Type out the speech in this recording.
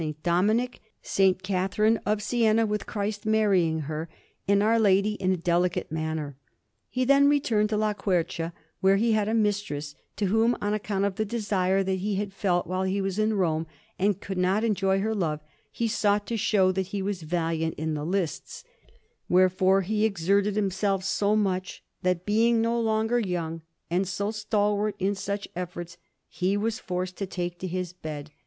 Dominic, S. Catherine of Siena, with Christ marrying her, and Our Lady, in a delicate manner. He then returned to La Quercia, where he had a mistress, to whom, on account of the desire that he had felt while he was in Rome and could not enjoy her love, he sought to show that he was valiant in the lists; wherefore he exerted himself so much, that, being no longer young and so stalwart in such efforts, he was forced to take to his bed.